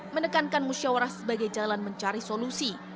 menekankan musyawarah sebagai jalan mencari solusi